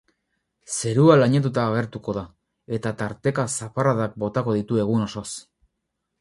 Zerua lainotuta agertuko da, eta tarteka zaparradak botako ditu egun osoz.